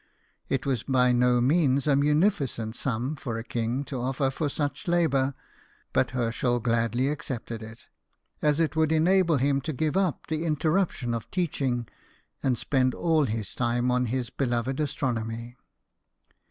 It was by no means a munificent sum for a king to offer for such labour ; but Herschel gladly accepted it, as it would enable him to WILLIAM HERSCHEL, BANDSMAN. 109 give up the interruption of teaching, and spend all his time on his beloved astronomy.